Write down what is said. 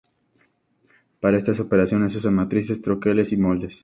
Para estas operaciones se usan matrices, troqueles y moldes.